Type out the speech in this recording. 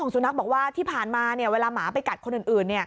สุนัขบอกว่าที่ผ่านมาเนี่ยเวลาหมาไปกัดคนอื่นเนี่ย